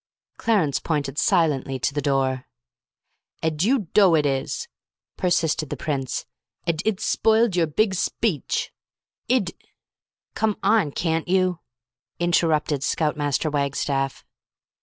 Clarence pointed silently to the door. "And you doe id is," persisted the Prince. "And id's spoiled your big sbeech. Id " "Come on, can't you," interrupted Scout Master Wagstaff.